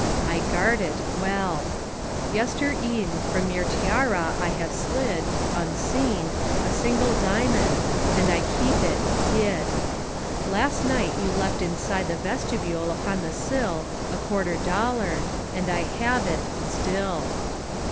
I guard it Well. Yestere'en From your tiara I have slid, Unseen, A single diamond, And I keep it Hid. Last night you left inside the vestibule upon the sill A quarter dollar, And I have it Still.